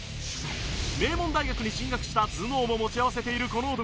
名門大学に進学した頭脳も持ち合わせているこの男